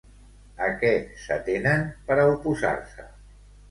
A què s'atenen per a oposar-se?